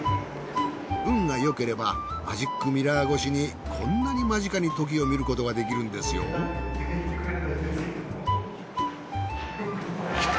運がよければマジックミラー越しにこんなに間近にトキを見ることができるんですよ。来た。